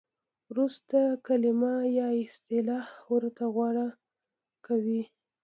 ورسته کلمه یا اصطلاح ورته غوره کوي.